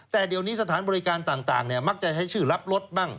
แต่เดี๋ยวนี้สถานบริการต่างมักจะใช้ชื่อรับรถบ้าง